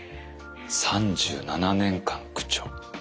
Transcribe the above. ３７年間区長。